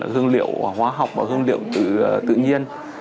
hương liệu hóa học và hương liệu tự nhiên